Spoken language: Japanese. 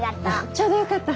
ちょうどよかった。